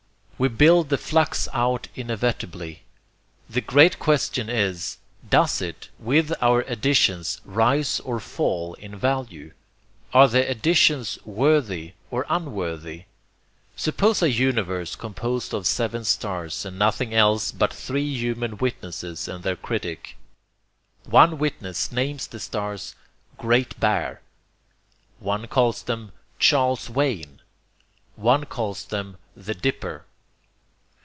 We build the flux out inevitably. The great question is: does it, with our additions, rise or fall in value? Are the additions WORTHY or UNWORTHY? Suppose a universe composed of seven stars, and nothing else but three human witnesses and their critic. One witness names the stars 'Great Bear'; one calls them 'Charles's Wain'; one calls them the 'Dipper.'